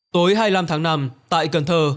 tối hai mươi năm tháng năm tại cần thơ